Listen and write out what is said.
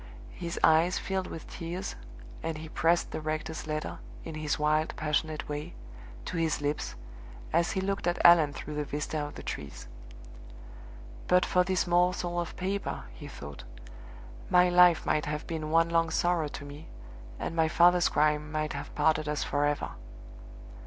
His eyes filled with tears, and he pressed the rector's letter, in his wild, passionate way, to his lips, as he looked at Allan through the vista of the trees. "But for this morsel of paper," he thought, "my life might have been one long sorrow to me, and my father's crime might have parted us forever!"